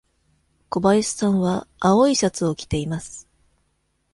小林さんは青いシャツを着ています。